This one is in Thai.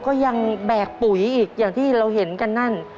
ก็ยังแบกปุ๋ยอีกอย่างที่เราเห็นกันนั่น